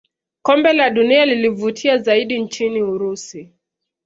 kombe la dunia lilivutia zaidi nchini urusi